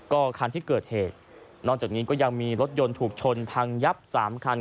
ก็คันที่เกิดเหตุนอกจากนี้ก็ยังมีรถยนต์ถูกชนพังยับสามคัน